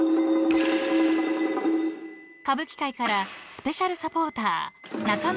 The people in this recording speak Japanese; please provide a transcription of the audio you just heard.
［歌舞伎界からスペシャルサポーター中村勘九郎さん